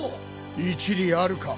一理あるか。